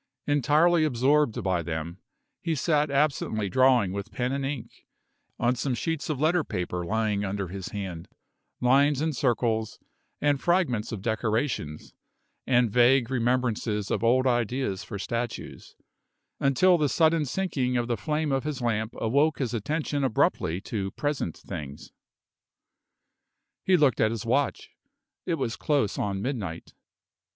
Entirely absorbed by them, he sat absently drawing with pen and ink, on some sheets of letter paper lying under his hand, lines and circles, and fragments of decorations, and vague remembrances of old ideas for statues, until the sudden sinking of the flame of his lamp awoke his attention abruptly to present things. He looked at his watch. It was close on midnight.